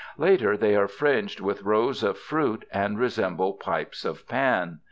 Later they are fringed with rows of fruit and resemble Pipes of Pan.